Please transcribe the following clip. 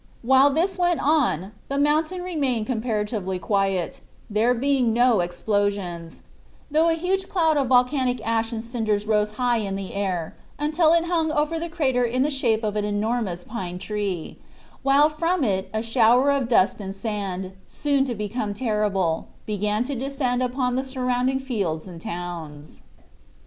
While this went on the mountain remained comparatively quiet, there being no explosions, though a huge cloud of volcanic ash and cinders rose high in the air until it hung over the crater in the shape of an enormous pine tree, while from it a shower of dust and sand, soon to become terrible, began to descend upon the surrounding fields and towns.